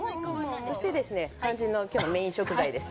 そして、肝心のきょうのメイン食材です。